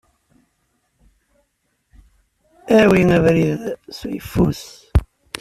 Awi abrid s uyeffus.